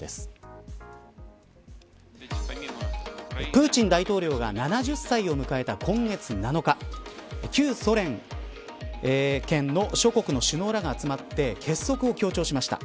プーチン大統領が７０歳を迎えた今月７日旧ソ連圏の諸国の首脳らが集まって結束を強調しました。